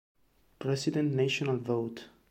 President National Vote.